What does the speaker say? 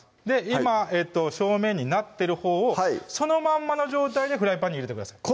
今正面になってるほうをそのまんまの状態でフライパンに入れてください